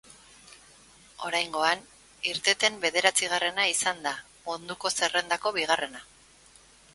Oraingoan, irteten bederatzigarrena izan da munduko zerrendako bigarrena.